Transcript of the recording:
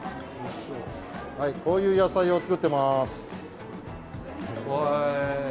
こういう野菜を作ってます。